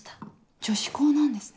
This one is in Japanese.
女子校なんですね。